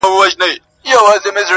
o ځوان لکه مړ چي وي.